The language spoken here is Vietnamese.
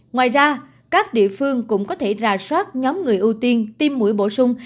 ngoài ra các địa phương cũng có thể rà soát nhóm người ưu tiên tiêm mũi bổ sung